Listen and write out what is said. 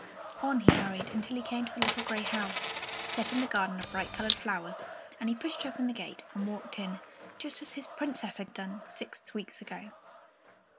On he hurried until he came to the little grey house, set in its garden of bright coloured flowers; and he pushed open the gate and walked in, just as his Princess had done six weeks ago.